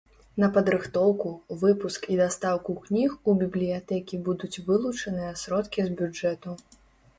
На падрыхтоўку, выпуск і дастаўку кніг у бібліятэкі будуць вылучаныя сродкі з бюджэту.